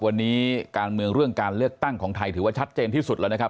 วันนี้การเมืองเรื่องการเลือกตั้งของไทยถือว่าชัดเจนที่สุดแล้วนะครับ